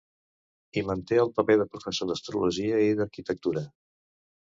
Hi manté el paper de professor, d'astrologia i d'arquitectura.